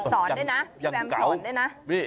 สอนด้วยนะพี่แบมสอนด้วยนะ